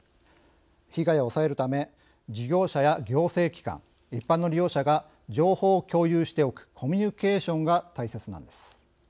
被害を抑えるため事業者や行政機関一般の利用者が情報を共有しておくコミュニケーションが大切なのです。